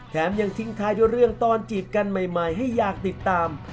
ยังทิ้งท้ายด้วยเรื่องตอนจีบกันใหม่ให้อยากติดตาม